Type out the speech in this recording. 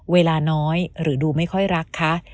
เวลาน้อยหรือดูไม่ค่อยรักคะ